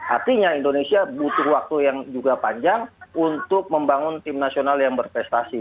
artinya indonesia butuh waktu yang juga panjang untuk membangun tim nasional yang berprestasi